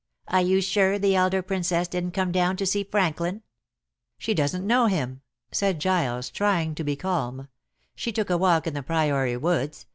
"Are you sure the elder Princess didn't come down to see Franklin?" "She doesn't know him," said Giles, trying to be calm. "She took a walk in the Priory woods.